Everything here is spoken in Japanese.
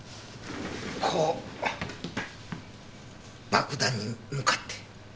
こう爆弾に向かって。